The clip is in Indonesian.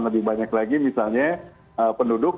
lebih banyak lagi misalnya penduduk